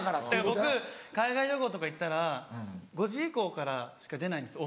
僕海外旅行とか行ったら５時以降からしか出ないんです。